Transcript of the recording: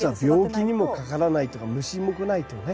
病気にもかからないとか虫も来ないとかね